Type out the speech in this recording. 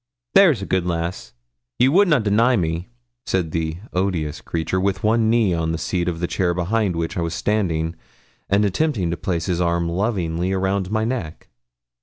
'There's a good lass, ye would na deny me,' said the odious creature, with one knee on the seat of the chair behind which I was standing, and attempting to place his arm lovingly round my neck.